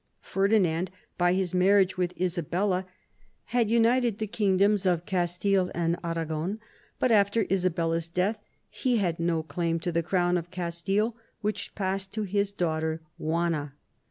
Ferdinand by his marriage with Isabella had united the kingdoms of Castile and Arragon ; but after Isabella's death he had no claim to the Crown of Castile, which passed to his daughter Juana.